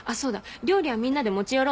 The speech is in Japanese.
料理はみんなで持ち寄ろうって。